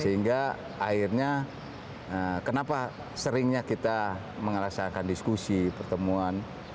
sehingga akhirnya kenapa seringnya kita merasakan diskusi pertemuan